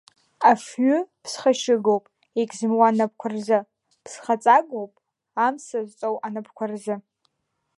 Афҩы ԥсхашьыгоуп егьзымуа анапқәа рзы, ԥсхаҵагоуп амса зҵоу анапқәа рзы.